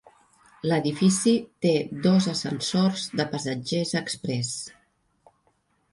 L'edifici té dos ascensors de passatgers exprés.